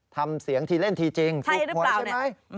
ทำเสียงทีเล่นทีจริงทุกคนใช่ไหม